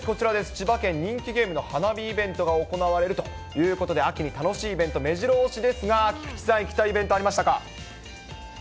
千葉県、人気ゲームの花火イベントが行われるということで、秋に楽しいイベントめじろ押しですが、菊池さん、行きたいイベントありましたか？